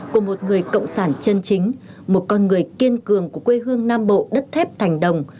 của một người cộng sản chân chính một con người kiên cường của quê hương nam bộ